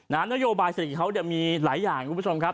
นโยบายเศรษฐกิจเขามีหลายอย่างคุณผู้ชมครับ